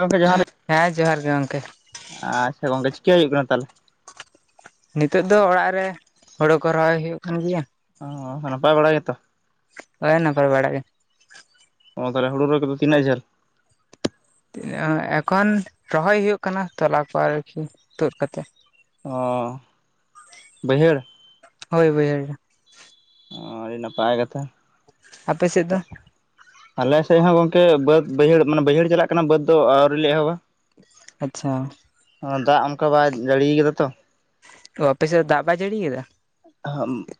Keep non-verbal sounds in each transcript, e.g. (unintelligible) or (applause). ᱜᱚᱢᱠᱮ ᱡᱚᱦᱟᱨ ᱦᱮᱸ ᱡᱚᱦᱟᱨ ᱜᱮ ᱜᱚᱢᱠᱮ ᱟᱪᱪᱷᱟ ᱜᱚᱝᱠᱮ ᱪᱤᱠᱟ ᱦᱩᱭᱩᱜ ᱠᱟᱱᱟ ᱛᱟᱦᱚᱞᱮ ᱱᱤᱛᱚᱜ ᱫᱚ ᱚᱲᱟᱜ ᱨᱮ ᱦᱳᱲᱳ ᱠᱚ ᱨᱚᱦᱚᱭ ᱦᱩᱭᱩᱜ ᱠᱟᱱ ᱜᱮᱭᱟ ᱚ ᱱᱟᱯᱟᱭ ᱵᱟᱲᱟ ᱜᱮᱛᱚ ᱦᱮᱸ ᱱᱟᱯᱟᱭ ᱵᱟᱲᱟ ᱜᱮ ᱚ ᱛᱟᱦᱚᱞᱮ ᱦᱳᱲᱳ ᱨᱚᱦᱚᱭ ᱠᱚᱫᱚ ᱛᱤᱱᱟᱹᱜ ᱡᱷᱟᱹᱞ ᱮᱠᱷᱚᱱ ᱨᱚᱦᱚᱭ ᱦᱩᱭᱩᱜ ᱠᱟᱱᱟ ᱛᱚᱞᱟ ᱠᱚ ᱟᱨᱠᱤ ᱛᱩᱫ ᱠᱟᱛᱮᱜ ᱚᱻ ᱵᱟᱹᱭᱦᱟᱹᱲ ᱦᱳᱭ ᱵᱟ, ᱭᱦᱟᱹᱲ ᱚ ᱟᱹᱰᱤ ᱱᱟᱯᱟᱭ ᱠᱟᱛᱷᱟ ᱟᱯᱮ ᱥᱮᱫ ᱫᱚ? ᱟᱞᱮ ᱥᱮᱫ ᱦᱚᱸ ᱜᱚᱝᱠᱮ ᱵᱟᱹᱫ ᱵᱟᱹᱭᱦᱟᱹᱲ ᱢᱟᱱᱮ ᱵᱟᱹᱭᱦᱟᱹᱲ ᱪᱟᱞᱟᱜ ᱠᱟᱱᱟ ᱵᱟᱹᱫᱽ ᱫᱚ ᱟᱹᱣᱨᱤ ᱞᱮ ᱮᱦᱚᱵᱟ ᱟᱪᱪᱷᱟ ᱫᱟᱜ ᱚᱱᱠᱟ ᱵᱟᱭ ᱡᱟᱹᱲᱤ ᱠᱟᱫᱟ ᱛᱚ ᱚ ᱟᱯᱮᱥᱮᱫ ᱫᱟᱜ ᱵᱟᱭ ᱡᱟᱹᱲᱤ ᱠᱮᱫᱟ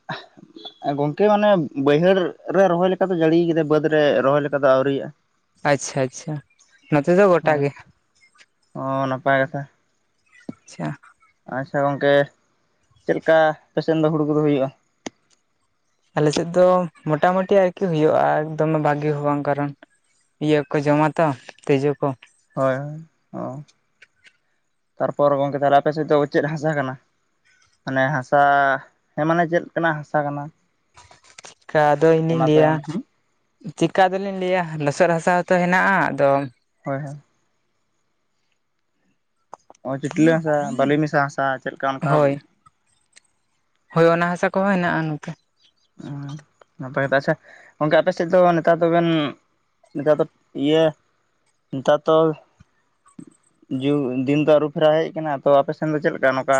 (inaudible) ᱜᱚᱝᱠᱮ ᱢᱟᱱᱮ ᱵᱟᱹᱭᱦᱟᱹᱲ ᱨᱮ ᱨᱚᱦᱚᱭ ᱞᱮᱠᱟ ᱫᱚ ᱡᱟᱹᱲᱤᱭ ᱠᱮᱫᱟ ᱵᱟᱹᱫᱽ ᱨᱮ ᱨᱚᱦᱚᱭ ᱞᱮᱠᱟ ᱫᱚ ᱟᱹᱣᱨᱤᱜᱼᱟ ᱟᱪᱷᱟ ᱟᱪᱷᱟ ᱱᱚᱛᱮ ᱫᱚ ᱜᱚᱴᱟ ᱦᱳᱭ ᱜᱮ ᱚ ᱱᱟᱯᱟᱭ ᱠᱟᱛᱷᱟ ᱟᱪᱪᱷᱟ᱾ ᱟᱪᱪᱷᱟ ᱜᱚᱝᱠᱮ ᱪᱮᱫ ᱞᱮᱠᱟ ᱟᱯᱮ ᱥᱮᱱ ᱫᱚ ᱦᱩᱲᱩ ᱠᱚᱫᱚ ᱦᱩᱭᱩᱜᱼᱟ? ᱟᱞᱮ ᱥᱮᱫ ᱫᱚ ᱢᱚᱴᱟ ᱢᱚᱴᱤ ᱟᱨᱠᱤ ᱦᱩᱭᱩᱜᱼᱟ, ᱫᱚᱢᱮ ᱵᱷᱟᱜᱤ ᱦᱚᱸ ᱵᱟᱝ ᱠᱟᱨᱚᱱ ᱤᱭᱟᱹ ᱠᱚ ᱡᱚᱢ ᱟ ᱛᱚ ᱛᱤᱡᱩ ᱠᱚ᱾ ᱦᱳᱭ ᱚ ᱛᱟᱨᱯᱚᱨ ᱜᱚᱢᱠᱮ ᱛᱟᱞᱦᱮ ᱟᱯᱮ ᱥᱮᱫ ᱫᱚ ᱪᱮᱫ ᱦᱟᱥᱟ ᱠᱟᱱᱟ? ᱢᱟᱱᱮ ᱦᱟᱥᱟ ᱦᱮᱸ ᱢᱟᱱᱮ ᱪᱮᱫ ᱞᱮᱠᱟᱱᱼᱟᱜ ᱦᱟᱥᱟ ᱠᱟᱱᱟ᱾ ᱪᱮᱜᱠᱟ ᱟᱫᱚ ᱤᱧ ᱫᱩᱧ ᱚᱱᱟ ᱞᱟᱹᱭ ᱟ ᱛᱟᱭᱚᱢ ᱦᱩᱸ ᱪᱤᱠᱜᱟ ᱟᱫᱚ ᱞᱤᱧ ᱞᱟᱹᱭ ᱟ ᱞᱚᱥᱚᱫ ᱦᱟᱥᱟ ᱦᱚᱸᱛᱚ ᱦᱮᱱᱟᱜᱼᱟ ᱟᱫᱚ ᱦᱳᱭ ᱦᱮᱸ ᱪᱤᱴᱞᱟᱹ ᱦᱟᱥᱟ ᱵᱟᱹᱞᱤ ᱢᱮᱥᱟ ᱦᱟᱥᱟ ᱪᱮᱫ ᱞᱮᱠᱟ ᱚᱱᱠᱟ ᱦᱳᱭ ᱦᱳᱭ ᱚᱱᱟ ᱦᱟᱥᱟ ᱠᱚᱦᱚᱸ ᱦᱮᱱᱟᱜᱼᱟ ᱱᱚᱛᱮ (unintelligible) ᱜᱚᱝᱠᱮ ᱟᱯᱮ ᱥᱮᱫ ᱫᱚ ᱱᱮᱛᱟᱨ ᱫᱚᱵᱮᱱ ᱱᱮᱛᱟᱨ ᱫᱚ ᱤᱭᱟᱹ ᱱᱮᱛᱟᱨ ᱛᱚ ᱡᱩᱜ ᱫᱤᱱ ᱫᱚ ᱟᱹᱨᱩᱯᱷᱮᱨᱟᱣ ᱦᱮᱡ ᱠᱟᱱᱟ ᱛᱚ ᱟᱯᱮ ᱥᱮᱱ ᱫᱚ ᱪᱮᱫ ᱞᱮᱠᱟ ᱱᱚᱝᱠᱟ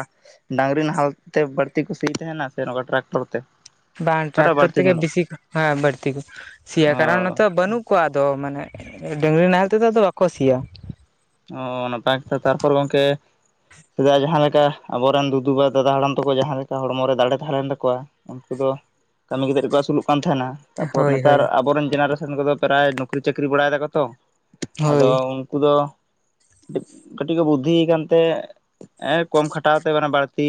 ᱰᱟᱝᱨᱤ ᱱᱟᱦᱮᱞ ᱛᱮ ᱵᱟᱹᱲᱛᱤ ᱠᱩ ᱥᱤᱭ ᱛᱟᱦᱮᱸᱱ ᱟ ᱥᱮ ᱱᱚᱝᱠᱟ ᱴᱨᱟᱠᱴᱚᱨ ᱛᱮ? ᱵᱟᱝ ᱚᱠᱟᱴᱟᱜ ᱴᱨᱟᱠᱴᱚᱨ ᱵᱟᱹᱲᱛᱤ ᱛᱮᱜᱮ ᱧᱮᱞᱚᱜᱼᱟ ᱵᱤᱥᱤ ᱦᱮᱸ ᱵᱟᱹᱲᱛᱤ ᱫᱚ ᱥᱤᱭᱟ ᱚ ᱠᱟᱱᱟ ᱱᱚᱮᱛ ᱵᱟᱹᱱᱩᱜ ᱠᱚᱣᱟ ᱟᱫᱚ ᱢᱟᱱᱮ ᱰᱟᱝᱨᱤ ᱱᱟᱦᱮᱞ ᱛᱮᱫᱚ ᱟᱫᱚ ᱵᱟᱠᱚ ᱥᱤᱭᱟ᱾ ᱚ ᱱᱟᱯᱟᱭ ᱠᱟᱛᱷᱟ ᱛᱟᱨᱯᱚᱨ ᱜᱚᱢᱠᱮ ᱥᱮᱫᱟᱭ ᱡᱟᱦᱟᱸ ᱞᱮᱠᱟ ᱟᱵᱚ ᱨᱮᱱ ᱫᱤᱫᱤ ᱵᱟ ᱫᱟᱫᱟ ᱦᱟᱲᱟᱢ ᱛᱟᱠᱚ ᱡᱟᱦᱟᱸ ᱞᱮᱠᱟ ᱦᱚᱲᱢᱚ ᱨᱮ ᱫᱟᱲᱮ ᱛᱟᱦᱮᱸ ᱞᱮᱱ ᱛᱟᱠᱚᱣᱟ, ᱩᱱᱠᱩ ᱫᱚ ᱠᱟᱹᱢᱤ ᱠᱟᱛᱮᱫ ᱜᱮᱠᱚ ᱟᱹᱥᱩᱞ ᱚᱜ ᱠᱟᱱ ᱛᱟᱦᱮᱸᱱᱟ᱾ ᱛᱟᱯᱚᱨ ᱦᱳᱭ ᱱᱮᱛᱟᱨ ᱦᱳᱭ ᱟᱵᱚ ᱨᱮᱱ ᱡᱮᱱᱟᱨᱮᱥᱚᱱ ᱠᱚᱫᱚ ᱯᱨᱟᱭ ᱱᱩᱠᱨᱤ ᱪᱟᱹᱠᱨᱤ ᱵᱟᱲᱟᱭ ᱫᱟᱠᱚ ᱛᱚ᱾ ᱟᱫᱚ ᱦᱳᱭ ᱩᱱᱠᱩ ᱫᱚ ᱠᱟᱹᱴᱤᱡ ᱠᱚ ᱵᱩᱫᱷᱤ ᱠᱟᱱᱛᱮ ᱠᱚᱢ ᱠᱷᱟᱴᱟᱣ ᱛᱮ ᱵᱟᱹᱲᱛᱤ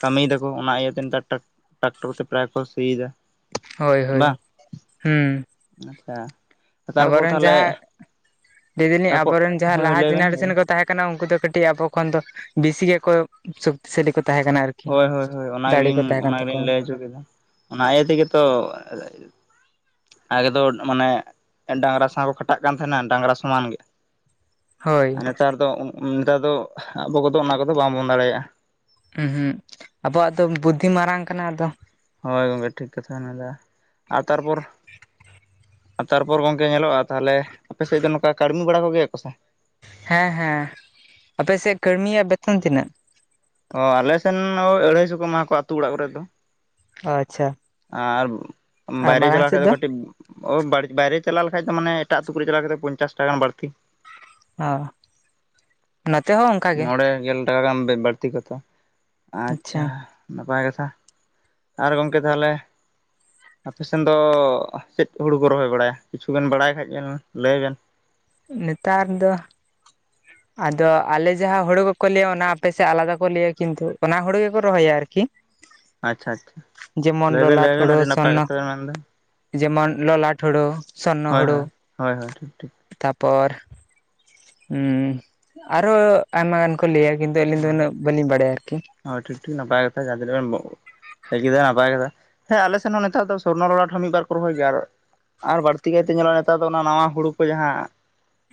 ᱠᱟᱹᱢᱤᱭ ᱫᱟᱠᱚ ᱚᱱᱟ ᱤᱭᱟᱹᱛᱮ ᱱᱮᱛᱟᱨ ᱴᱟᱠ ᱴᱨᱟᱠᱴᱚᱨ ᱛᱮ ᱯᱨᱟᱭ ᱠᱚ ᱥᱤᱭ ᱮᱫᱟ ᱦᱳᱭ ᱦᱳᱭ ᱦᱩᱸ᱾ ᱟᱪᱪᱷᱟ᱾ ᱛᱟᱨᱯᱚᱨ ᱟᱵᱚᱨᱮᱱ ᱛᱟᱦᱚᱞᱮ ᱡᱟᱦᱟᱸ, ᱞᱟᱹᱭ ᱫᱟᱞᱤᱧ ᱛᱟᱨᱯᱚᱨ ᱟᱵᱚᱨᱮᱱ ᱡᱟᱦᱟᱸᱭ ᱦᱳᱭ ᱞᱟᱦᱟ ᱞᱟᱹᱭ ᱵᱮᱱ ᱞᱟᱹᱭ ᱡᱮᱱᱟᱨᱮᱥᱚᱱ ᱵᱮᱱ ᱠᱚ ᱛᱟᱦᱮᱸ ᱠᱟᱱᱟ ᱩᱱᱠᱩ ᱫᱚ ᱠᱟᱹᱴᱤᱡ ᱟᱵᱚ ᱠᱷᱚᱱ ᱫᱚ ᱵᱤᱥᱤ ᱜᱮᱠᱚ ᱥᱚᱠᱛᱤᱥᱟᱞᱤ ᱠᱚ ᱛᱟᱦᱮᱸ ᱠᱟᱱᱟ ᱟᱨᱠᱤ᱾ ᱦᱳᱭ ᱦᱳᱭ ᱦᱳᱭ ᱚᱱᱟ ᱫᱟᱲᱮ ᱠᱚ ᱜᱮᱞᱤᱧ ᱛᱟᱦᱮᱸ ᱠᱟᱱ ᱚᱱᱟ ᱜᱮᱞᱤᱧ ᱛᱟᱠᱚᱣᱟ ᱞᱟᱹᱭ ᱦᱚᱪᱚ ᱠᱮᱫᱟ, ᱚᱱᱟ ᱤᱭᱟᱹ ᱛᱮᱜᱮ ᱛᱚ ᱟᱜᱮ ᱫᱚ ᱢᱟᱱᱮ ᱰᱟᱝᱨᱟ ᱥᱟᱶ ᱠᱚ ᱠᱷᱟᱴᱟᱜ ᱠᱟᱱ ᱛᱟᱦᱸᱱ ᱟ ᱰᱟᱝᱨᱟ ᱥᱚᱢᱟᱱ ᱜᱮ᱾ ᱦᱳᱭ᱾ ᱟᱨ ᱱᱮᱛᱟᱨ ᱫᱚ ᱱᱮᱛᱟᱨ ᱫᱚ ᱟᱵᱚ ᱠᱚᱫᱚ ᱚᱱᱟ ᱠᱚᱫᱚ ᱵᱟᱝ ᱵᱚᱱ ᱫᱟᱲᱮᱭᱟᱜᱼᱟ᱾ ᱦᱩᱸ ᱟᱵᱚᱣᱟᱜ ᱫᱚ ᱵᱩᱫᱷᱤ ᱢᱟᱨᱟᱝ ᱠᱟᱱᱟ ᱟᱫᱚ, ᱦᱳᱭ ᱜᱚᱢᱠᱮ ᱴᱷᱤᱠ ᱠᱟᱛᱷᱟ ᱵᱮᱱ ᱢᱮᱱᱫᱟ ᱟᱨ ᱛᱟᱨᱯᱚᱨ ᱟᱨ ᱛᱟᱨᱯᱚᱨ ᱜᱚᱝᱠᱮ ᱧᱮᱞᱚᱜᱼᱟ ᱛᱟᱦᱞᱮ ᱟᱯᱮ ᱥᱮᱫ ᱫᱚ ᱱᱚᱝᱠᱟ ᱠᱟᱹᱲᱢᱤ ᱵᱟᱲᱟ ᱠᱚ ᱜᱮᱭᱟ ᱠᱚ ᱥᱮ? ᱦᱮᱸ ᱦᱮᱸ ᱟᱯᱮ ᱥᱮᱫ ᱠᱟᱹᱲᱢᱤᱭᱼᱟᱜ ᱵᱮᱛᱚᱱ ᱛᱤᱱᱟᱹᱜ? ᱚ ᱟᱞᱮ ᱥᱮᱱ ᱟᱹᱲᱟᱹᱭ ᱥᱚ ᱠᱚ ᱮᱢᱟ ᱠᱚᱣᱟ ᱟᱹᱛᱩ ᱚᱲᱟᱜ ᱠᱚᱨᱮᱜ ᱫᱚ᱾ ᱚ ᱟᱪᱪᱷᱟ ᱟᱨ ᱟᱨ ᱵᱟᱭᱨᱮ ᱢᱟᱲᱟᱝ ᱪᱟᱞᱟᱣ ᱥᱮᱫ ᱠᱷᱟᱡ ᱫᱚ ᱠᱟᱹᱴᱤᱡ ᱚ ᱵᱟ ᱵᱟᱭᱨᱮ ᱪᱟᱞᱟᱣ ᱞᱮᱠᱷᱟᱡ ᱫᱚ ᱢᱟᱱᱮ ᱮᱴᱟᱜ ᱟᱹᱛᱩ ᱠᱚᱨᱮᱜ ᱪᱟᱞᱟᱣ ᱠᱟᱛᱮ ᱯᱚᱧᱪᱟᱥ ᱴᱟᱠᱟ ᱜᱟᱱ ᱵᱟᱹᱲᱛᱤ ᱦᱮᱸ᱾ ᱱᱚᱛᱮ ᱦᱚᱸ ᱚᱱᱠᱟ ᱜᱮ ᱢᱚᱬᱮ ᱜᱮᱞ ᱴᱟᱠᱟ ᱜᱟᱱ ᱵᱟᱹᱲᱛᱤ ᱠᱟᱛᱮ ᱟᱪᱪᱷᱟ᱾ ᱱᱟᱯᱟᱭ ᱠᱟᱛᱷᱟ ᱟᱨ ᱜᱚᱢᱠᱮ ᱛᱟᱦᱚᱞᱮ ᱟᱯᱮ ᱥᱮᱱ ᱫᱚ ᱪᱮᱫ ᱦᱩᱲᱩ ᱠᱚ ᱨᱚᱦᱚᱭ ᱵᱟᱲᱟᱭ ᱟ ᱠᱤᱪᱷᱩ ᱵᱮᱱ ᱵᱟᱲᱟᱭ ᱠᱷᱟᱡ ᱵᱮᱱ ᱞᱟᱹᱭ ᱵᱮᱱ? ᱱᱮᱛᱟᱨ ᱫᱚ ᱟᱫᱚ ᱟᱞᱮ ᱡᱟᱦᱟᱸ ᱦᱳᱲᱳ ᱠᱚᱠᱚ ᱞᱟᱹᱭᱟ ᱚᱱᱟ ᱟᱯᱮ ᱥᱮᱫ ᱟᱞᱟᱫᱟ ᱠᱚ ᱞᱟᱹᱭᱟ ᱠᱤᱱᱛᱩ ᱚᱱᱟ ᱦᱩᱲᱩ ᱜᱮᱠᱚ ᱨᱚᱦᱚᱭᱟ ᱟᱨᱠᱤ᱾ ᱟᱪᱪᱷᱟ ᱟᱪᱪᱷᱟ ᱡᱮᱢᱚᱱ ᱞᱟᱹᱭ ᱵᱤᱱ ᱞᱚᱞᱟᱴ ᱞᱟᱹᱭᱵᱤᱱ ᱦᱩᱲᱩ ᱟᱹᱰᱤ ᱱᱟᱯᱟᱭ ᱥᱚᱨᱱᱚ ᱠᱟᱛᱷᱟ ᱵᱮᱱ ᱢᱮᱱ ᱫᱟ᱾ ᱡᱮᱢᱚᱱ ᱞᱚᱞᱟᱴ ᱦᱩᱲᱩ, ᱥᱚᱨᱱᱚ ᱦᱳᱭ ᱦᱩᱲᱩ, ᱦᱳᱭ ᱦᱳᱭ ᱦᱳᱭ ᱴᱷᱤᱠ ᱴᱷᱤᱠ ᱛᱟᱯᱚᱨ ᱦᱩᱸ ᱟᱨᱚ ᱟᱭᱢᱟ ᱜᱟᱱ ᱠᱚ ᱞᱟᱹᱭ ᱟ ᱠᱤᱱᱛᱩ ᱟᱹᱞᱤᱧ ᱫᱚ ᱦᱳᱭ ᱩᱱᱟᱹᱜ ᱵᱟᱹᱞᱤᱧ ᱵᱟᱲᱟᱭᱟ ᱟᱨᱠᱤ᱾ ᱦᱳᱭ ᱴᱷᱤᱠ ᱴᱷᱤᱠ ᱱᱟᱯᱟᱭ ᱠᱟᱛᱷᱟ (unintelligible) (unintelligible) ᱱᱟᱯᱟᱭ ᱠᱟᱛᱷᱟ ᱦᱮᱸ ᱟᱞᱮ ᱥᱮᱫ ᱦᱚᱸ ᱱᱚᱛᱮ ᱫᱚ ᱥᱚᱨᱱᱚ ᱞᱚᱞᱟᱴ ᱦᱚᱸ ᱢᱤᱫᱵᱟᱨ ᱠᱚ ᱨᱚᱦᱚᱭ ᱜᱮᱭᱟ, ᱟᱨ ᱟᱨ ᱵᱟᱹᱲᱛᱤ ᱠᱟᱭᱛᱮ ᱧᱮᱞᱚᱜᱼᱟ ᱱᱮᱛᱟᱨ ᱫᱚ ᱚᱱᱟ ᱱᱟᱣᱟ ᱦᱩᱲᱩ ᱠᱚ ᱡᱟᱦᱟᱸ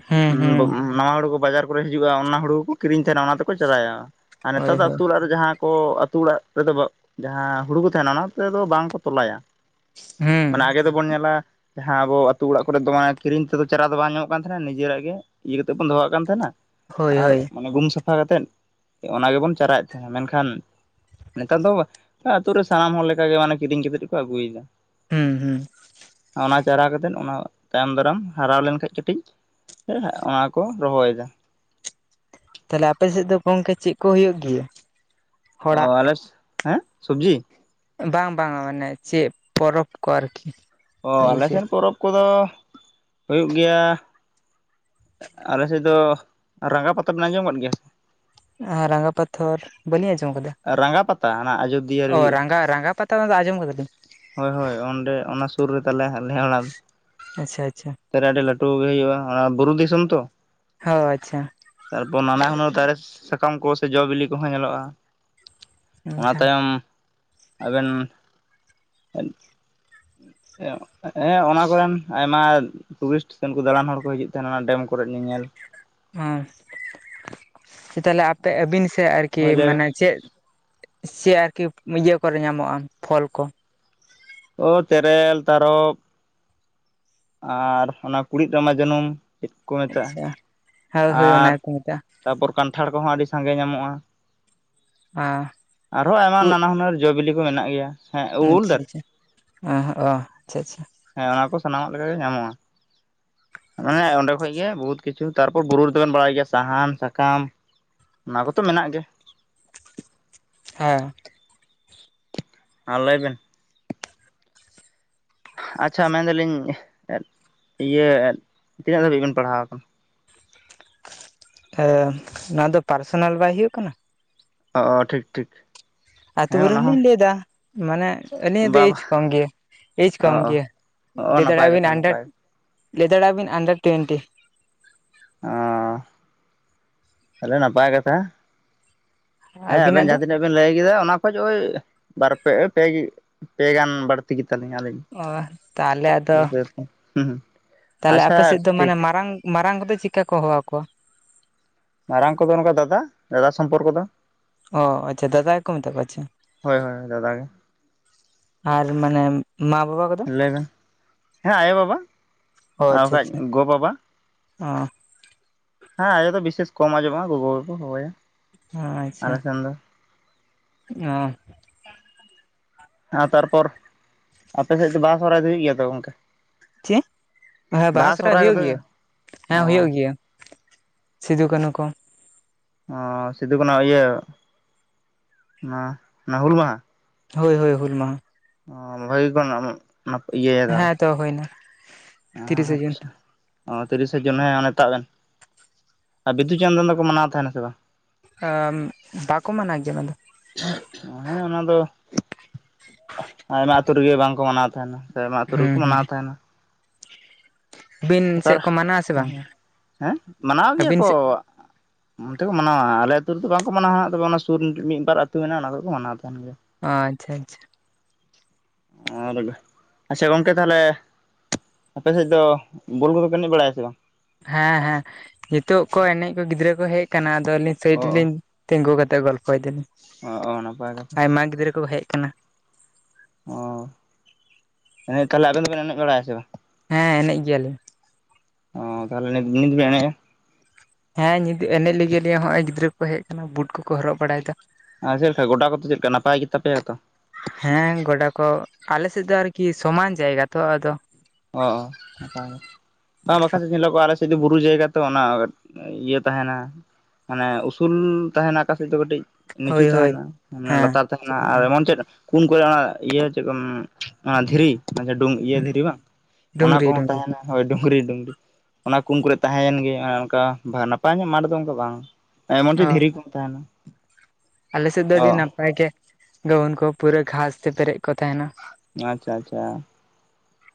ᱦᱩᱸ ᱦᱩᱸ ᱱᱟᱣᱟ ᱦᱩᱲᱩ ᱠᱚ ᱵᱟᱡᱟᱨ ᱠᱚᱨᱮ ᱦᱤᱡᱩᱜᱼᱟ ᱚᱱᱟ ᱦᱩᱲᱩ ᱠᱚᱠᱚ ᱠᱤᱨᱤᱧ ᱛᱟᱦᱮᱱᱟ ᱚᱱᱟ ᱛᱮᱠᱚ ᱪᱟᱨᱟᱭᱟ ᱟᱨ ᱦᱳᱭ ᱱᱮᱛᱚ ᱫᱚ ᱦᱳᱭ ᱟᱹᱛᱩ ᱚᱲᱟᱜ ᱨᱮ ᱡᱟᱦᱟᱸ ᱠᱚ ᱟᱛᱳ ᱚᱲᱟᱜ ᱨᱮᱫᱚ ᱡᱟᱦᱟᱸ ᱦᱩᱲᱩ ᱠᱚ ᱛᱟᱦᱮᱱᱟ ᱚᱱᱟ ᱛᱮᱫᱚ ᱵᱟᱝᱠᱚ ᱛᱚᱞᱟᱭᱟ᱾ ᱦᱩᱸ ᱢᱟᱱᱮ ᱟᱜᱮ ᱫᱚᱵᱚᱱ ᱧᱮᱞᱟ ᱡᱟᱦᱟᱸ ᱟᱵᱚ ᱟ ᱟᱹᱛᱩ ᱚᱲᱟᱜ ᱠᱚᱨᱮ ᱫᱚ ᱢᱮ ᱠᱤᱨᱤᱧ ᱛᱮᱫᱚ ᱪᱟᱨᱟ ᱫᱚ ᱵᱟᱝ ᱧᱟᱢᱚᱜ ᱠᱟᱱ ᱛᱟᱦᱮᱱᱟ ᱱᱤᱡᱮᱨᱟᱜ ᱜᱮ ᱤᱭᱟᱹ ᱠᱟᱛᱮᱮᱫ ᱵᱚᱱ ᱫᱚᱦᱚᱟᱜ ᱠᱟᱱ ᱛᱟᱸᱫᱱᱟ ᱦᱳᱭ ᱟᱨ ᱦᱳᱭ ᱜᱩ ᱥᱟᱯᱷᱟ ᱠᱟᱛᱮᱫ ᱚᱱᱟ ᱜᱮᱵᱚᱱ ᱪᱟᱨᱟᱭᱮᱫ ᱛᱟᱦᱮᱸᱱᱟ ᱢᱮᱱᱠᱷᱟᱱ ᱱᱮᱛᱟᱨ ᱫᱚ ᱟᱹᱛᱩ ᱨᱮ ᱥᱟᱱᱟᱢ ᱦᱚᱲ ᱞᱮᱠᱟᱜᱮ ᱢᱟᱱᱮ ᱠᱤᱨᱤᱧ ᱠᱟᱛᱮ ᱠᱚ ᱟᱹᱜᱩᱭ ᱫᱟ᱾ ᱦᱮᱸ ᱦᱮᱸ ᱚᱱᱟ ᱪᱟᱨᱟ ᱠᱟᱛᱮᱫ ᱚᱱᱟ ᱛᱟᱭᱚᱢ ᱫᱟᱨᱟᱢ ᱦᱟᱨᱟ ᱞᱮᱱᱠᱷᱟᱡ ᱠᱟᱹᱴᱤᱡ ᱥᱮ ᱚᱱᱟ ᱠᱚ ᱨᱚᱦᱚᱭᱮᱫᱟ᱾ ᱛᱟᱦᱚᱞᱮ ᱟᱯᱮ ᱥᱮᱫ ᱫᱚ ᱜᱚᱝᱠᱮ ᱪᱮᱫ ᱠᱚ ᱦᱩᱭᱩᱜ ᱜᱮᱭᱟ ᱚ ᱦᱚᱲᱟᱜ ᱟᱞᱮ ᱦᱮᱸ ᱥᱚᱵᱽᱡᱤ ᱵᱟᱝ ᱵᱟᱝᱟ ᱢᱟᱱᱮ ᱪᱮᱫ ᱯᱚᱨᱚᱵᱽ ᱠᱚ ᱟᱨᱠᱤ ᱚᱻ ᱮᱭ ᱟᱞᱮ ᱪᱮᱫ ᱥᱮᱱ ᱯᱚᱨᱚᱵᱽ ᱠᱚᱫᱚ ᱦᱩᱭᱩᱜ ᱜᱮᱭᱟ ᱟᱞᱮ ᱥᱮᱫ ᱫᱚ ᱨᱟᱸᱜᱟ ᱯᱟᱛᱟᱞ ᱵᱮᱱ ᱟᱸᱡᱚᱢ ᱟᱠᱟᱫ ᱜᱮᱭᱟ ᱟᱨ ᱨᱟᱸᱜᱟ ᱯᱟᱛᱷᱚᱨ ᱵᱟᱹᱞᱤᱧ ᱟᱸᱡᱚᱢ ᱟᱠᱟᱫᱟ ᱨᱟᱸᱜᱟ ᱯᱟᱛᱟ ᱚᱱᱟ ᱟᱡᱳᱫᱤᱭᱟᱹᱮ ᱚ ᱦᱩᱭᱩᱜᱼᱟ ᱨᱟᱸᱜᱟ ᱨᱟᱸᱜᱟ ᱯᱟᱛ ᱛ ᱫᱚ ᱟᱸᱡᱚᱢ ᱟᱠᱟᱫᱟᱹᱧ (unintelligible) ᱦᱳᱭ ᱦᱳᱭ ᱚᱸᱰᱮ ᱚᱱᱟ ᱥᱩᱨ ᱨᱮ ᱛᱟᱞᱮ ᱟᱞᱮ ᱚᱲᱟᱜ ᱪᱚ ᱟᱪᱪᱷᱟ ᱟᱪᱪᱷᱟ ᱨᱮ ᱟᱹᱰᱤ ᱞᱟᱹᱴᱩ ᱜᱮ ᱦᱩᱭᱩᱜᱼᱟ ᱚᱱᱟ ᱵᱩᱨᱩ ᱫᱤᱥᱚᱢ ᱛᱚ ᱚ ᱟᱪᱪᱷᱟ᱾ ᱛᱟᱨᱯᱚᱨ ᱱᱟᱱᱟ ᱦᱩᱱᱟᱹᱨ ᱫᱟᱨᱮ ᱥᱟᱠᱟᱢ ᱠᱚ ᱥᱮ ᱡᱚᱼ ᱵᱤᱞᱤ ᱠᱚᱦᱚᱸ ᱧᱮᱞᱚᱜᱼᱟ ᱚᱱᱟ ᱛᱟᱭᱚᱢ ᱟᱵᱮᱱ ᱦᱮᱸ ᱚᱱᱟ ᱠᱚᱨᱮᱱ ᱟᱭᱢᱟ ᱴᱩᱨᱤᱥᱴ ᱥᱮᱮᱱ ᱠᱚ ᱫᱟᱬᱟᱱ ᱦᱚᱲ ᱠᱚ ᱦᱤᱡᱩᱜ ᱛᱟᱦᱮᱱᱟ ᱚᱱᱟ ᱰᱮᱢ ᱠᱚᱨᱮ ᱧᱮᱧᱮᱞ᱾ ᱚ ᱛᱟᱦᱚᱞᱮ ᱟᱯᱮ ᱟᱹᱵᱤᱱ ᱥᱮᱫ ᱟᱨᱠᱤ ᱦᱳᱭ ᱞᱟᱹᱭ ᱵᱮᱱ ᱢᱟᱱᱮ ᱪᱮᱫ ᱥᱮ ᱟᱨᱠᱤ ᱤᱭᱟᱹ ᱠᱚᱨᱮ ᱧᱟᱢᱚᱜᱼᱟ ᱯᱷᱚᱞ ᱠᱚ ᱚ ᱛᱮᱨᱮᱞ ᱛᱟᱨᱚᱯ ᱟᱨ ᱚᱱᱟ ᱠᱩᱲᱤᱫ ᱨᱢᱟᱟ ᱡᱟᱹᱱᱩᱢ ᱪᱮᱫ ᱠᱚ ᱢᱮᱛᱟᱜᱼᱟ᱾ ᱟᱪᱪᱷᱟ ᱦᱳᱭ ᱦᱳᱭ ᱚᱱᱟ ᱟᱨ ᱜᱮᱠᱚ ᱢᱮᱛᱟᱜᱼᱟ ᱛᱟᱯᱚᱨ ᱠᱟᱱᱴᱷᱟᱲ ᱠᱚᱦᱚᱸ ᱟᱹᱰᱤ ᱥᱟᱸᱜᱮ ᱧᱟᱢᱚᱜᱼᱟ ᱟᱨᱦᱚᱸ ᱟᱭᱢᱟ ᱩᱫ ᱱᱟᱱᱟ ᱦᱩᱱᱟᱹᱨ ᱡᱚ ᱵᱤᱞᱤ ᱠᱚ ᱢᱮᱱᱟᱜ ᱜᱮᱭᱟ᱾ ᱦᱮᱸ ᱩᱞ ᱟᱪᱪᱷᱟ ᱫᱟᱨᱮ ᱟᱪᱪᱷᱟ ᱚ ᱚ ᱟᱪᱪᱷᱟ ᱟᱪᱪᱷᱟ ᱦᱮᱸ ᱚᱱᱟ ᱠᱚ ᱥᱟᱱᱟᱢᱟᱜ ᱞᱮ ᱞᱮᱠᱟᱟᱜ ᱜᱮ ᱧᱟᱢᱚᱜᱼᱟ ᱢᱟᱱᱮ ᱚᱸᱰᱮ ᱠᱷᱚᱡ ᱜᱮ ᱵᱚᱦᱩᱛ ᱠᱤᱪᱷᱩ ᱛᱟᱨᱯᱚᱨ ᱵᱩᱨᱩ ᱨᱮᱫᱚᱵᱮᱱ ᱵᱟᱲᱟᱭ ᱜᱮᱭᱟ ᱥᱟᱦᱟᱱ ᱥᱟᱠᱟᱢ ᱚᱱᱟ ᱠᱚᱛᱚ ᱢᱮᱱᱟᱜ ᱜᱮᱭᱟ ᱦᱮᱸ᱾ ᱦᱮᱸ ᱞᱟᱹᱭ ᱵᱮᱱ ᱟᱪᱪᱷᱟ ᱢᱮᱱᱫᱟᱞᱤᱧ ᱤᱭᱟᱹ ᱛᱤᱱᱟᱹᱜ ᱫᱷᱟᱹᱵᱤᱡ ᱵᱮᱱ ᱯᱟᱲᱦᱟᱣ ᱟᱠᱟᱱᱟ ᱱᱚᱣᱟ ᱫᱚ ᱯᱟᱨᱥᱚᱱᱟᱞ ᱵᱟᱭ ᱦᱩᱭᱩᱜ ᱠᱟᱱᱟ ᱚ ᱴᱷᱤᱠ ᱴᱷᱤᱠ ᱟᱹᱛᱩ ᱦᱮᱸ ᱵᱟᱨᱮ ᱚᱱᱟ ᱦᱚᱸ ᱞᱤᱧ ᱞᱟᱹᱭ ᱮᱟ, ᱢᱟᱱᱮ ᱟᱹᱞᱤᱧᱟᱜ ᱫᱚ ᱵᱟ ᱮᱡᱽ ᱵᱟ ᱠᱚᱢ ᱜᱮᱭᱟ, ᱮᱭᱡᱽ ᱚ ᱠᱚᱢ ᱜᱮᱭᱟ᱾ ᱚ ᱚ ᱞᱟᱹᱭ ᱱᱟᱯᱟᱭ ᱫᱟᱲᱮᱭᱟᱜ ᱵᱤᱱ ᱠᱟᱛᱷᱟ ᱦᱟᱱᱰᱨᱮᱴ ᱱᱟᱯᱟᱭ ᱞᱟᱹᱭ ᱫᱟᱲᱮᱭᱟᱜ ᱵᱤᱱ ᱦᱟᱱᱰᱨᱮᱴ ᱴᱩᱭᱮᱱᱴᱤ ᱦᱮᱸ ᱛᱟᱦᱚᱞᱮ ᱱᱟᱯᱟᱭ ᱠᱟᱛᱷᱟ, ᱦᱮᱸ ᱟᱵᱮᱱ ᱟᱹᱵᱤᱱᱟᱜ ᱫᱚ ᱡᱟᱦᱟᱸ ᱛᱤᱱᱟᱹᱜ ᱵᱮᱤᱱ ᱞᱟᱹᱭ ᱠᱮᱫᱟ ᱚᱱᱟ ᱠᱷ ᱳᱭ ᱵᱟᱨᱯᱮ ᱯᱮ ᱜᱟᱱ ᱵᱟᱹᱲᱛᱤ ᱜᱮᱛᱟᱞᱤᱧ ᱟᱹᱞᱤᱧ ᱚ ᱛᱟᱦᱚᱞᱮ ᱟᱫᱚ ᱦᱩᱸ ᱛᱟᱦᱚᱞᱮ ᱟᱪᱪᱷᱟ ᱟᱯᱮ ᱥᱮᱫ ᱫᱚ ᱴᱷᱤᱠ ᱢᱟᱱᱮ ᱢᱟᱨᱟᱝ ᱢᱟᱨᱟᱝ ᱠᱚᱫᱚ ᱪᱤᱠᱠᱟ ᱠᱚ ᱦᱚᱦᱚ ᱟᱠᱚᱣᱟ ᱢᱟᱨᱟᱝ ᱠᱚᱫᱚ ᱱᱚᱝᱠᱟ ᱫᱟᱫᱟ ᱫᱟᱫᱟ ᱥᱚᱢᱯᱚᱨ ᱠᱚᱫᱚ, ᱚ ᱟᱪᱪᱷᱟ ᱫᱟᱫᱟ ᱜᱮᱠᱚ ᱢᱮᱛᱟᱜ ᱠᱚᱣᱟ ᱪᱮ᱾ ᱦᱳᱭ ᱦᱳᱭ ᱫᱟᱫᱟ ᱜᱮ ᱟᱨ ᱢᱟᱱᱮ ᱢᱟ ᱵᱟᱵᱟ ᱠᱚ ᱞᱟᱹᱭ ᱵᱮᱱ ᱦᱮᱸ ᱟᱭᱳ ᱵᱟᱵᱟ ᱟᱨ ᱟᱪᱪᱷᱟ ᱵᱟᱠᱷᱟᱡ ᱟᱪᱪᱷᱟ ᱜᱚ ᱵᱟᱵᱟ ᱚ ᱦᱮᱸ ᱟᱭᱳ ᱫᱚ ᱵᱤᱥᱮᱥ ᱠᱚᱢ ᱟᱸᱡᱢᱚᱜᱼᱟ, ᱜᱚᱜᱚ ᱠᱚ ᱦᱚᱦᱚᱭᱟ᱾ ᱟᱪᱪᱷᱟ ᱚ ᱟᱨ ᱛᱟᱨᱯᱚᱨ ᱟᱯᱮ ᱥᱮᱫ ᱫᱚ ᱵᱟᱦᱟ ᱥᱚᱦᱨᱟᱭ ᱫᱚ ᱦᱩᱭᱩᱜ ᱜᱮᱭᱟ ᱛᱚ ᱜᱚᱝᱠᱮ ᱪᱮᱫ ᱦᱮᱸ ᱵᱟᱦᱟ ᱥᱚᱦᱨᱟᱭ ᱦᱳᱭᱳᱜ ᱜᱮᱭᱟ ᱦᱮᱸ ᱚ ᱦᱩᱭᱩᱜ ᱜᱮᱭᱟ ᱥᱤᱫᱩ ᱠᱟᱹᱱᱦᱩ ᱠᱚ ᱚ ᱥᱤᱫᱩ ᱠᱟᱦᱩ ᱤᱭᱟᱹ ᱚᱱᱟ ᱚᱱᱟ ᱦᱩᱞ ᱢᱟᱦᱟ ᱦᱳᱭ ᱦᱳᱭ ᱦᱩᱞ ᱢᱟᱦᱟ ᱚ ᱵᱷᱟᱹᱜᱤ ᱠᱚ ᱚᱱᱟᱢ ᱤᱭᱟᱹᱭᱮᱫᱟ ᱫᱚᱦᱚ ᱦᱩᱭ ᱮᱱᱟ, ᱟᱪᱪᱷᱟ ᱚ ᱛᱤᱨᱤᱥᱟ ᱡᱩᱱ ᱚᱱᱮ ᱛᱟᱵᱮᱱ ᱟᱨ ᱵᱤᱫᱩ ᱪᱟᱸᱫᱟᱱ ᱫᱚᱠᱚ ᱢᱟᱱᱟᱣ ᱛᱟᱦᱮᱸᱱᱟ ᱥᱮ ᱵᱟᱝ ᱵᱟᱠᱚ ᱢᱟᱱᱟᱣ ᱜᱮᱭᱟ ᱢᱮᱱ ᱫᱚ ᱦᱮᱸ ᱚᱱᱟ ᱫᱚ ᱟᱭᱢᱟ ᱟᱹᱛᱩ ᱨᱮᱜᱮ ᱵᱟᱝᱠᱚ ᱢᱟᱱᱟᱣ ᱛᱟᱦᱮᱸᱱᱟ᱾ ᱥᱮᱨᱢᱟ ᱟᱛᱳ ᱨᱮᱜᱮ ᱠᱚ ᱦᱩᱸ ᱢᱟᱱᱟᱣ ᱦᱩᱸ ᱛᱟᱦᱮᱸᱱᱟ ᱟᱹᱵᱤᱱ ᱦᱟᱛᱟᱨ ᱥᱮᱫ ᱠᱚ ᱢᱟᱱᱟᱣᱟ ᱥᱮ ᱦᱮᱸ ᱵᱟᱝ ᱦᱮᱸ ᱢᱟᱱᱟᱣ ᱜᱮᱭᱟ ᱟᱹᱵᱤᱱ ᱠᱚ ᱥᱮᱫ ᱚᱱᱛᱮ ᱠᱚ ᱢᱟᱱᱟᱣᱟ ᱟᱞᱮ ᱟᱹᱛᱩ ᱨᱮᱫᱚ ᱵᱟᱝᱠᱚ ᱢᱟᱱᱟᱣᱟ ᱦᱟᱸᱜ ᱛᱚᱵᱮ ᱚᱱᱟ ᱥᱩᱨ ᱢᱤᱫ ᱵᱟᱨ ᱟᱹᱛᱩ ᱢᱮᱱᱟᱜᱼᱟ ᱚᱱᱟ ᱠᱚᱠᱚ ᱢᱟᱱᱟᱣ ᱛᱟᱦᱮᱸᱱ ᱜᱮᱭᱟ ᱚ ᱟᱪᱪᱷᱟ ᱟᱪᱪᱷᱟ ᱚᱲᱟᱜ ᱨᱮᱜᱮ, ᱟᱪᱪᱷᱟ ᱜᱚᱝᱠᱮ ᱛᱟᱦᱚᱞᱮ ᱟᱯᱮ ᱥᱮᱫ ᱫᱚ ᱵᱚᱞ ᱠᱚ ᱫᱚ ᱯᱮ ᱮᱱᱮᱡ ᱵᱟᱲᱟᱭᱟ ᱥᱮ ᱵᱟᱝ ᱦᱮᱸ ᱦᱮᱸ ᱱᱤᱛᱳᱜ ᱠᱚ ᱮᱱᱮᱡ ᱠᱚ ᱜᱤᱫᱽᱨᱟᱹ ᱠᱚ ᱦᱮᱡ ᱠᱟᱱᱟ ᱟᱫᱚ ᱟᱹᱞᱤᱧ ᱥᱟᱭᱤᱰ ᱚ ᱨᱮᱞᱤᱧ ᱛᱮᱸᱜᱳ ᱠᱟᱛᱮᱜ ᱜᱚᱞᱯᱚᱭ ᱫᱟ ᱞᱤᱧ ᱚ ᱚ ᱱᱟᱯᱟᱭ ᱠᱟᱛᱷᱟ ᱟᱭᱢᱟ ᱜᱤᱫᱽᱨᱟᱹ ᱠᱚ ᱦᱮᱡ ᱠᱟᱱᱟ ᱚ ᱮᱱ ᱛᱟᱦᱚᱞᱮ ᱟᱵᱮᱱ ᱫᱚ ᱵᱮᱱ ᱮᱱᱮᱡ ᱵᱟᱲᱟᱭᱟ ᱥᱮ ᱵᱟᱝ ᱦᱮᱸ ᱮᱱᱮᱡ ᱜᱮᱭᱟ ᱞᱤᱧ ᱚ ᱛᱟᱦᱚᱞᱮ ᱱᱤᱫ ᱵᱮᱱ ᱮᱱᱮᱡᱟ? ᱦᱮᱸ ᱧᱤᱫᱟᱹ ᱮᱱᱮᱡ ᱞᱟᱹᱜᱤᱫ ᱞᱮ ᱦᱚᱜᱼᱚᱭ ᱜᱤᱫᱽᱨᱟᱹ ᱠᱚ ᱦᱮᱡ ᱠᱟᱱᱟ ᱵᱩᱴ ᱠᱚᱠᱚ ᱦᱚᱨᱚᱜ ᱵᱟᱲᱟᱭᱮᱫᱟ ᱟᱨ ᱪᱮᱫ ᱞᱮᱠᱟ ᱜᱚᱰᱟ ᱠᱚᱫᱚ ᱪᱮᱫ ᱞᱮᱠᱟ ᱱᱟᱯᱟᱭ ᱜᱮᱛᱟᱯᱮᱭᱟ ᱛᱚ? ᱦᱮᱸ ᱜᱚᱰᱟ ᱠᱚ, ᱟᱞᱮ ᱥᱮᱫ ᱫᱚ ᱟᱨᱠᱤ ᱥᱚᱢᱟᱱ ᱡᱟᱭᱜᱟ ᱛᱚ᱾ ᱟᱫᱚ ᱚ ᱚ ᱚᱱᱠᱟ ᱜᱮ ᱵᱟ ᱵᱟᱠᱷᱟᱡ ᱧᱮᱞᱚᱜᱚᱜᱼᱟ ᱟᱞᱮ ᱥᱮᱫ ᱫᱚ ᱵᱩᱨᱩ ᱡᱟᱭᱜᱟ ᱛᱚ ᱚᱱᱟ ᱤᱭᱟᱹ ᱛᱟᱦᱮᱸᱱᱟ ᱢᱟᱱᱮ ᱩᱥᱩᱞ ᱛᱟᱦᱮᱱᱟ ᱟᱠᱟᱥᱮᱫ ᱫᱚ ᱠᱟᱹᱴᱤᱡ᱾ ᱱᱤᱪᱩ ᱦᱳᱭ ᱦᱳᱭ ᱛᱟᱦᱮᱸᱱᱟ ᱢᱟᱱᱮ ᱦᱮᱸ ᱞᱟᱛᱟᱨ ᱛᱟᱦᱮᱸᱱᱟ ᱪᱮᱫ ᱠᱚ ᱟᱨ ᱛᱟᱦᱮᱱ ᱮᱢᱚᱱ ᱪᱮᱫ ᱠᱩᱱ ᱠᱚᱨᱮ ᱚᱱᱟ ᱤᱭᱟᱹ ᱪᱮᱫ ᱠᱚ ᱫᱷᱤᱨᱤ ᱰᱩᱝ ᱤᱭᱟᱹ ᱦᱩᱸ ᱫᱷᱤᱨᱤ ᱵᱟᱝ ᱚᱱᱟ ᱠᱚ ᱰᱩᱝᱨᱤ ᱦᱚᱸ ᱰᱩᱝᱨᱤ ᱛᱟᱦᱮᱸᱱᱟ ᱦᱳᱭ ᱰᱩᱝᱨᱤ ᱰᱩᱝᱨᱤ ᱚᱱᱟ ᱠᱩᱱ ᱠᱚ ᱨᱮ ᱛᱟᱦᱮᱸᱭᱮᱱ ᱜᱮ ᱚᱱᱮ ᱚᱱᱠᱟ ᱱᱟᱯᱟᱭ ᱧᱚᱜ ᱢᱟᱴᱷ ᱫᱚ ᱚᱱᱠᱟ ᱵᱟᱝ ᱮᱢᱚᱱ ᱪᱮᱫ ᱫᱷᱮᱨᱤ ᱠᱚ ᱦᱚᱸ ᱛᱟᱦᱮᱸᱱᱟ ᱟᱞᱮᱥᱮᱫ ᱫᱚ ᱟᱹᱰᱤ ᱱᱟᱯᱟᱭ ᱜᱮ, ᱜᱟᱹᱣᱟᱹᱱ ᱠᱚ ᱯᱩᱨᱟᱹ ᱜᱷᱟᱥ ᱛᱮ ᱯᱮᱨᱮᱡ ᱠᱚ ᱛᱟᱦᱮᱱᱟ᱾ ᱟᱪᱪᱷᱟ ᱟᱪᱪᱷᱟ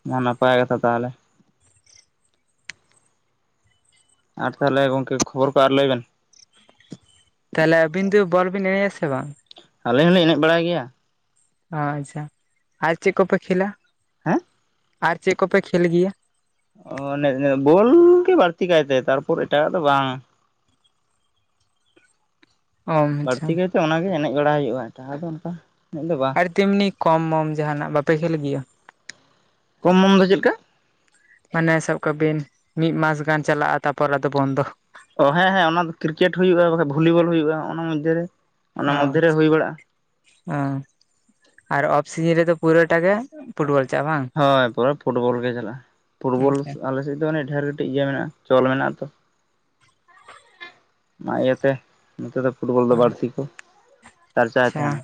ᱢᱟ ᱱᱟᱯᱟᱭ ᱠᱟᱛᱷᱟ ᱛᱟᱦᱞᱮ ᱟᱨ ᱛᱟᱦᱞᱮ ᱜᱚᱢᱠᱮ ᱠᱷᱚᱵᱚᱨ ᱠᱚ ᱟᱨ ᱞᱟᱹᱭ ᱵᱮᱱ ᱛᱟᱦᱞᱮ ᱟᱵᱤᱱ ᱫᱚ ᱵᱚᱞ ᱵᱤᱱ ᱮᱱᱮᱡ-ᱟ ᱥᱮ ᱵᱟᱝ? ᱟᱞᱤᱧ ᱦᱚᱸᱞᱤᱧ ᱮᱱᱮᱡ ᱵᱟᱲᱟᱭ ᱜᱮᱭᱟ ᱚ ᱟᱪᱪᱷᱟ ᱟᱨ ᱪᱮᱫ ᱠᱚ ᱯᱮ ᱠᱷᱮᱞᱟ ᱦᱮᱸ ᱟᱨ ᱪᱮᱫ ᱠᱚᱯᱮ ᱠᱷᱮᱞ ᱜᱮᱭᱟ? ᱚ ᱵᱚᱞᱻ ᱜᱮ ᱵᱟᱹᱲᱛᱤ ᱠᱟᱭᱛᱮ ᱛᱟᱨᱯᱚᱨ ᱮᱴᱟᱜᱟᱜ ᱫᱚ ᱵᱟᱝ ᱚ ᱟᱪᱪᱷᱟ ᱵᱟᱹᱲᱛᱤ ᱠᱟᱭᱛᱮ ᱚᱱᱟᱜᱮ ᱮᱱᱮᱡ ᱵᱟᱲᱟ ᱦᱩᱭᱩᱜᱼᱟ ᱮᱟᱴᱦ ᱫᱚ ᱚᱱᱠᱟ ᱮ ᱫᱚ ᱵᱟᱝ ᱟᱨ ᱛᱮᱢᱱᱤ ᱠᱚᱢ ᱢᱢ (inaudible) ᱡᱟᱦᱟᱱᱟᱜ ᱵᱟᱯᱮ ᱠᱷᱮᱞ ᱜᱮᱭᱟ? ᱠᱚᱢ ᱢᱚᱱ ᱫᱚ ᱪᱮᱫ ᱞᱮᱠᱟ ᱢᱟᱱᱮ ᱥᱟᱵ ᱠᱟᱜᱵᱤᱱ ᱢᱤᱫ ᱢᱟᱥ ᱜᱟᱱ ᱪᱟᱞᱟᱜᱼᱟ ᱛᱟᱨᱯᱚᱨ ᱟᱫᱚ ᱵᱚᱱᱫᱚ ᱚ ᱦᱮᱸᱼᱦᱮᱸ ᱚᱱᱟ ᱫᱚ ᱠᱨᱤᱠᱮᱴ ᱦᱩᱭᱩᱜᱼᱟ ᱵᱟᱠᱟᱱ ᱵᱷᱚᱞᱤᱵᱚᱞ ᱦᱩᱭᱩᱜᱼᱟ ᱚᱱᱟ ᱢᱚᱫᱽᱫᱷᱮ ᱨᱮ ᱚᱱᱟ ᱚ ᱢᱚᱫᱽᱫᱷᱮ ᱨᱮ ᱦᱩᱭ ᱵᱟᱲᱟᱜᱼᱟ ᱟᱪᱪᱷᱟ ᱚ ᱟᱨ ᱚᱯᱷ ᱥᱤᱡᱤᱱ ᱨᱮᱫᱚ ᱯᱩᱨᱟᱹᱴᱟ ᱜᱮ ᱯᱷᱩᱴᱵᱚᱞ ᱪᱟᱞᱟᱜ ᱵᱟᱝ? ᱦᱳᱭ ᱯᱩᱨᱮ ᱯᱷᱩᱴᱵᱚᱞ ᱜᱮ ᱪᱟᱞᱟᱜᱼᱟ ᱯᱷᱩᱴᱵᱚᱞ ᱟᱪᱪᱷᱟ ᱟᱞᱮᱥᱮᱫ ᱫᱚ ᱟᱱᱮ ᱰᱷᱮᱨ ᱠᱟᱹᱴᱤᱡ ᱜᱮ ᱢᱮᱱᱟᱜᱼᱟ ᱪᱚᱞ ᱢᱮᱱᱟᱜ ᱟᱛᱚ ᱚᱱᱟ ᱤᱭᱟᱹᱛᱮ ᱱᱚᱛᱮ ᱫᱚ ᱯᱷᱩᱴᱵᱚᱞ ᱫᱚ ᱵᱟᱹᱲᱛᱤ ᱠᱚ ᱪᱟᱨᱪᱟᱭ ᱛᱟᱦᱮᱱᱟ᱾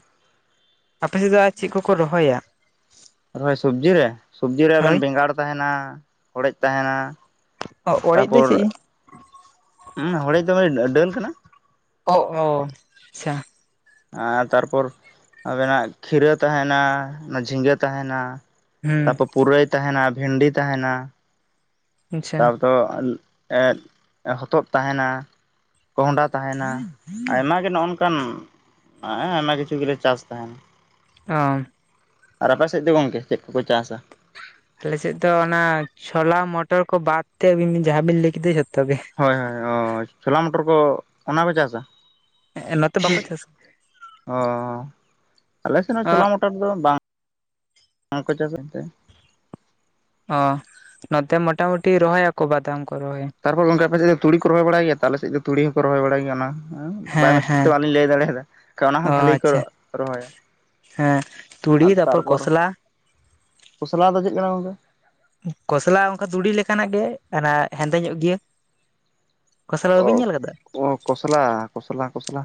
ᱟᱯᱮᱥᱮᱫ ᱫᱚ ᱟᱨ ᱪᱮᱫ ᱠᱚᱠᱚ ᱨᱚᱦᱚᱭᱟ? ᱟᱨᱚᱭ ᱥᱚᱵᱡᱤ ᱨᱮ ᱥᱚᱵᱡᱤ ᱨᱮ ᱦᱳᱭ ᱟᱵᱮᱱ ᱵᱮᱸᱜᱟᱲ ᱛᱟᱦᱮᱱᱟ ᱦᱚᱲᱮᱡ ᱛᱟᱦᱮᱱᱟ᱾ ᱚᱲᱮᱡ ᱫᱚ ᱛᱟᱯᱚᱨ ᱪᱮᱫ ᱦ ᱦᱚᱲᱮᱡ ᱫᱚᱢᱮ ᱰᱟᱹᱱ ᱠᱟᱱᱟ᱾ ᱚ ᱚ ᱟᱪᱪᱷᱟ᱾ ᱟᱨ ᱛᱟᱨᱯᱚᱨ ᱟᱵᱮᱱᱟᱜ ᱠᱷᱤᱨᱟᱹ ᱛᱟᱦᱮᱱᱟ ᱚᱱᱟ ᱡᱷᱤᱸᱜᱟᱹ ᱛᱟᱦᱮᱱᱟ᱾ ᱦᱩᱸ ᱛᱟᱯᱚᱨ ᱯᱩᱨᱟᱹᱭ ᱛᱟᱦᱮᱱᱟ ᱵᱷᱮᱱᱰᱤ ᱛᱟᱦᱮᱱᱟ ᱟᱪᱪᱷᱟ ᱛᱟᱨᱯᱚᱨ᱾ ᱦᱚᱛᱚᱫ ᱛᱟᱦᱮᱱᱟ᱾ ᱠᱚᱦᱰᱟ ᱛᱟᱦᱮᱱᱟ ᱟᱭᱢᱟ ᱜᱮ ᱱᱚᱜ ᱱᱚᱝᱠᱟᱱ᱾ ᱦᱮ ᱟᱭᱢᱟ ᱠᱤᱪᱷᱩ ᱜᱮᱞᱮ ᱪᱟᱥ ᱛᱟᱦᱮᱱᱟ᱾ ᱚ ᱟᱨ ᱟᱯᱮ ᱥᱮᱫ ᱫᱚ ᱜᱚᱝᱠᱮ ᱪᱮᱫ ᱠᱚᱠᱚ ᱪᱟᱥᱟ? ᱟᱞᱮᱥᱮᱫ ᱫᱚ ᱚᱱᱟ ᱪᱷᱞᱟ ᱢᱚᱴᱚᱨ ᱠᱚ ᱵᱟᱫ ᱛᱮ ᱟᱹᱵᱤᱱ ᱡᱟᱦᱟᱸ ᱵᱤᱱ ᱞᱟᱹᱭ ᱠᱮᱫᱟ ᱡᱷᱚᱛᱚ ᱜᱮ᱾ ᱦᱚᱳᱭ ᱦᱳᱭ ᱚ ᱪᱷᱳᱞᱟ ᱢᱚᱴᱚᱨ ᱠᱚ ᱚᱱᱟᱠᱚ ᱪᱟᱥᱟ᱾ ᱦᱮᱸ ᱱᱚᱛᱮ ᱵᱟᱠᱚ ᱪᱟᱥᱫᱟ᱾ ᱚ ᱟᱞᱮ ᱥᱮᱫ ᱦᱚᱸ ᱚ ᱪᱷᱳᱞᱟ ᱢᱚᱴ᱾ ᱰᱠᱚᱨ ᱫᱚ (unintelligible) ᱵᱟᱝᱠᱚ ᱪᱟᱥᱮᱫᱛᱮ᱾ ᱚ ᱱᱚᱛᱮ ᱢᱳᱚᱴᱟᱢ ᱢᱩᱴᱤ ᱨᱚᱦᱚᱭ ᱭᱟᱠᱚ ᱵᱟᱫᱟᱢ ᱠᱚ ᱨᱚᱦᱚᱭ᱾ ᱛᱟᱨᱯᱚᱨ ᱚᱱᱠᱟᱯᱮᱫ ᱫᱚ ᱛᱲᱤ ᱨᱚᱦ ᱵᱟᱲ ᱜᱮᱭᱟᱦᱚᱞᱮᱫ ᱫᱚ ᱛᱩᱤ ᱦᱚᱸᱠᱚ ᱨᱚᱦᱚᱭ ᱵᱟᱭ ᱜᱮᱭᱟ ᱚᱱᱟ᱾ ᱦᱮᱸ ᱵᱟᱭᱳᱢᱤᱥᱴᱤᱠ ᱛᱮ ᱵᱟᱟᱹᱞᱤᱧ ᱞᱟᱹᱭ ᱫᱟᱲᱮᱭᱟᱫᱟ ᱚᱱᱟ ᱦᱚᱸ ᱚ ᱵᱷᱟᱞᱤ ᱠᱚ ᱟᱪᱪᱷᱟ ᱨᱚᱦᱚᱭᱟ᱾ ᱦᱮᱸ ᱛᱩᱲᱤ ᱛᱟᱨᱯᱚᱨ ᱠᱚᱥᱞᱟ᱾ ᱠᱚᱥᱞᱟᱣ ᱫᱚ ᱪᱮᱫ ᱠᱟᱱᱟ ᱜᱚᱝᱠᱮ? ᱠᱚᱚᱥᱞᱟ ᱚᱱᱠᱟ ᱛᱩᱲᱤ ᱞᱮᱠᱟᱱᱟᱜ ᱜᱮ ᱚᱱᱟ ᱦᱮᱸᱫᱮ ᱧᱚᱜ ᱜᱮᱭᱟ᱾ ᱠᱚᱥᱞᱟ ᱚ ᱵᱟᱹᱧ ᱧᱮᱞ ᱟᱠᱟᱫᱟ᱾ ᱚ ᱠᱚᱥᱞᱟ, ᱠᱚᱥᱞᱟ, ᱠᱚᱥᱞᱟ,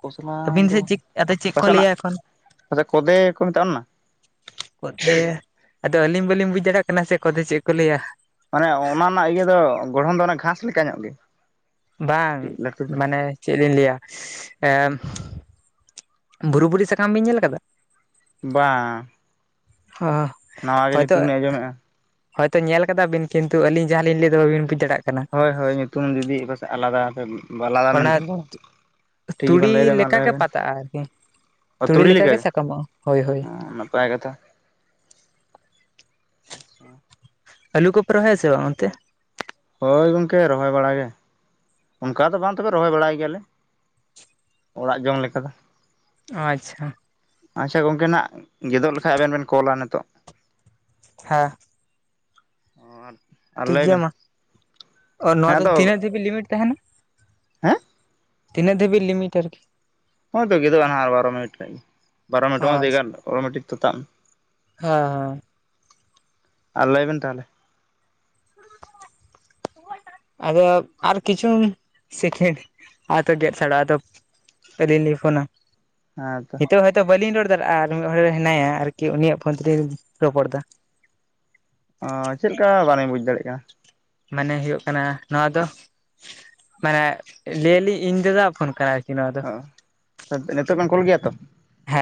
ᱯᱚᱥᱱᱟᱣ ᱟᱹᱵᱤᱱ ᱫᱚ ᱥᱮᱫ ᱪᱮᱫ ᱟᱫᱚ ᱪᱮᱫ ᱠᱚ ᱯᱟᱥᱮᱱᱟᱜ ᱞᱟᱹᱭᱟ ᱮᱠᱷᱚᱱ ᱠᱚᱫᱮ ᱠᱚ ᱢᱮᱛᱟᱜ ᱚᱱ ᱚᱱᱟ ᱠᱚᱫᱮ ᱟᱫᱚ ᱟᱹᱞᱤᱧ ᱵᱟᱹᱞᱤᱧ ᱵᱩᱡ ᱫᱟᱲᱮᱭᱟᱜ ᱠᱟᱱᱟ ᱥᱮ ᱠᱚᱫᱮ ᱪᱮᱫ ᱠᱚ ᱞᱟᱹᱭ ᱟ? ᱢᱟᱱᱮ ᱚᱱᱟ ᱨᱮᱱᱟᱜ ᱤᱭᱟᱹ ᱫᱚ ᱜᱚᱲᱦᱚᱱ ᱫᱚ ᱜᱷᱟᱸᱥ ᱞᱮᱠᱟ ᱧᱚᱜ ᱜᱮ᱾ ᱵᱟᱝ ᱠᱟᱹᱴᱤᱡ ᱞᱟᱹᱴᱩ ᱫᱷᱟᱨᱟ ᱢᱟᱱᱮ ᱪᱮᱫ ᱞᱤᱧ ᱞᱟᱹᱭ ᱟ ᱮᱻ ᱵᱩᱨᱩ ᱵᱩᱨᱤ ᱥᱟᱠᱟᱢ ᱵᱮᱧ ᱧᱮᱞ ᱠᱟᱫᱟ? ᱵᱟᱝ ᱦᱟ ᱱᱟᱣᱟ ᱜᱮ ᱧᱩᱛᱩᱢ ᱫᱚᱸᱧ ᱟᱸᱡᱚᱢᱮᱫᱼᱟ, ᱦᱳᱭᱛᱳ ᱧᱮᱞ ᱠᱟᱫᱟᱵᱤᱱᱛᱩ ᱟᱹᱞᱤᱧ ᱡᱟᱦᱟᱸᱞᱤᱧ ᱞᱟᱹᱭᱮᱫᱟ ᱵᱟᱹᱵᱤᱱ ᱵᱩᱡᱽ ᱪᱟᱲᱟᱜ ᱠᱟᱱᱟ᱾ ᱦᱳᱭ ᱦᱳᱭ ᱧᱩᱛᱩᱢ ᱡᱩᱫᱤ ᱯᱟᱥᱮᱡ ᱟᱞᱟᱫᱟ ᱵᱟᱞᱟᱫᱟ ᱚᱱᱟ ᱢᱮᱱᱫᱟ᱾ ᱴᱷᱤᱠ ᱛᱩᱲᱤ ᱜᱮᱵᱮᱱ ᱞᱟᱹᱭᱫᱟ ᱢᱟ ᱞᱟᱹᱭ ᱞᱮᱠᱟᱜᱮ ᱵᱮᱱ᱾ ᱯᱟᱛᱟᱜᱼᱟ ᱟᱨᱠᱤ ᱛᱩᱲᱤ ᱞᱮᱠᱟᱜᱮ ᱥᱟᱠᱟᱢᱚᱜᱼᱟ ᱦᱳᱭ ᱦᱳᱭ ᱦᱚ ᱱᱟᱯᱟᱭ ᱠᱟᱛᱷᱟ᱾ ᱟᱪᱪᱷᱟ ᱟᱹᱞᱩ ᱠᱚᱯᱮ ᱨᱚᱦᱚᱭᱟ ᱥᱮ ᱵᱟᱝ ᱚᱱᱛᱮ? ᱦᱳᱭ ᱜᱚᱝᱠᱮ ᱨᱚᱦᱚᱭ ᱵᱟᱲᱟ ᱜᱮ᱾ ᱚᱱᱠᱟ ᱫᱚ ᱵᱟᱝ ᱛᱚᱵᱮ ᱨᱚᱦᱚᱭ ᱵᱟᱲᱟᱭ ᱜᱮᱭᱟᱞᱮ ᱚᱲᱟᱜ ᱡᱚᱢ ᱞᱮᱠᱟ ᱫᱚ ᱚ ᱟᱪᱪᱷᱟ ᱟᱪᱪᱷᱟ ᱜᱚᱝᱠᱮ ᱱᱟᱦᱟᱜ ᱜᱮᱫᱚᱜ ᱞᱮᱠᱷᱟᱡ ᱟᱵᱮᱱ ᱵᱮᱱ ᱠᱚᱞᱟ ᱱᱤᱛᱚᱜ᱾ ᱦᱮᱸ ᱟᱨ ᱴᱷᱤᱠ ᱞᱟᱹᱭ ᱜᱮᱭᱟ ᱵᱮᱱ ᱢᱟ ᱦᱮᱸ ᱱᱚᱣᱟ ᱫᱚ ᱟᱫᱚ ᱛᱤᱱᱟᱹᱜ ᱡᱤᱵᱤ ᱞᱤᱢᱤᱴ ᱛᱟᱦᱮᱱᱟ, ᱦᱮᱸ ᱛᱤᱱᱟᱹᱜ ᱫᱷᱟᱹᱵᱤᱡ ᱞᱤᱢᱤᱴ ᱟᱨᱠᱤ, ᱦᱚᱜ ᱚᱭ ᱛᱚ ᱜᱮᱫᱚᱜᱼᱟ ᱱᱟᱦᱟᱜ ᱟᱨ ᱵᱟᱨᱚ ᱢᱤᱱᱤᱴ ᱠᱷᱟᱡ ᱜᱮ ᱵᱟᱨᱚ ᱚ ᱢᱤᱱᱤᱴ ᱟᱪᱪᱷᱟ ᱮᱜᱟᱨᱳ ᱚᱴᱚ ᱢᱮᱴᱤᱠ ᱛᱚ ᱛᱟᱵ ᱱᱟ, ᱦᱮᱸ ᱦᱮᱸ, ᱟᱨ ᱞᱟᱹᱭ ᱵᱮᱱ ᱛᱟᱦᱚᱞᱮ, (inaudible) (inaudible) (unintelligible) ᱟᱫᱚ ᱟᱨ ᱠᱤᱪᱷᱩ ᱥᱮᱠᱮᱱᱰ ᱟᱛᱚ ᱜᱮᱫ ᱥᱟᱲᱟᱜᱼᱟ ᱟᱫᱚ, ᱟᱹᱞᱤᱧ ᱞᱤᱧ ᱯᱷᱳᱱᱟ, ᱦᱮᱸ ᱛᱚ, ᱱᱤᱛᱚᱜ ᱦᱚᱭ ᱛᱚ ᱵᱟᱹᱞᱤᱧ ᱨᱚᱲ ᱫᱟᱲᱮᱭᱟᱜᱼᱟ ᱟᱨ ᱢᱤᱫ ᱦᱚᱲᱮ ᱦᱮᱱᱟᱭᱟ ᱟᱨᱠᱤ ᱩᱱᱤᱭᱟᱜ ᱯᱷᱳᱱ ᱛᱮᱞᱤᱧ ᱨᱚᱯᱚᱲ ᱫᱟ, ᱚᱸ ᱪᱮᱫ ᱞᱮᱠᱟ ᱵᱟ. ᱞᱤᱧ ᱵᱩᱡᱽ ᱫᱟᱲᱮᱭᱟᱜ ᱠᱟᱱᱟ? ᱢᱟᱱᱮ ᱦᱩᱭᱩᱜ ᱠᱟᱱᱟ ᱱᱚᱣᱟ ᱫᱚ ᱢᱟᱱᱮ ᱞᱟᱹᱭᱟ ᱞᱤᱧ ᱤᱧ ᱫᱟᱫᱟ ᱯᱷᱳᱱ ᱠᱟᱱᱟ ᱟᱨᱠᱤ ᱱᱚᱣᱟ ᱫᱚ, ᱱᱤᱛᱚᱜ ᱵᱮᱱ ᱠᱩᱞ ᱜᱮᱭᱟ ᱛᱚ? ᱦᱮᱸ